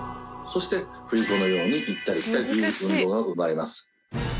そして振り子のように行ったり来たりという運動が生まれます。